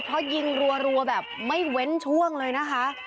เพราะยิงรัวแบบไม่เว้นช่วงเลยนะคะ